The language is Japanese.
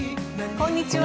こんにちは。